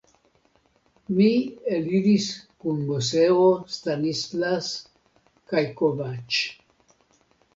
Mi eliris kun Moseo, Stanislas kaj Kovacs.